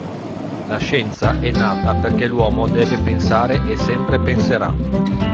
La scienza è nata perché l'uomo deve pensare e sempre penserà.